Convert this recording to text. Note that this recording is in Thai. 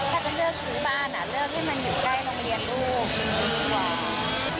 ไม่แค่แบบคำนวณเลยไม่เจ๋ยว่าคำนวณแบบเท่าไหร่แล้วเราต้องทำงานเท่าไหร่